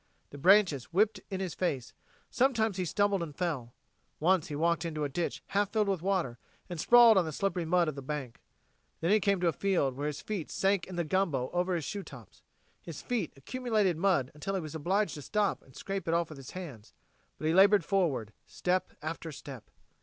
The branches whipped in his face; sometimes he stumbled and fell. Once he walked into a ditch half filled with water, and sprawled on the slippery mud of the bank. Then he came to a field where his feet sank in the gumbo over his shoe tops. His feet accumulated mud until he was obliged to stop and scrape it off with his hands. But he labored forward, step after step.